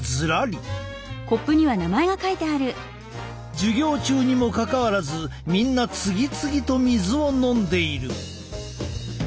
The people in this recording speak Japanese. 授業中にもかかわらずみんな次々と水を飲んでいる。